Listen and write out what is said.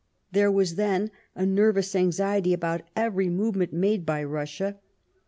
There was then a nervous anxiety about every move ment made by Russia.